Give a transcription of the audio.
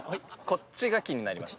こっちが気になります。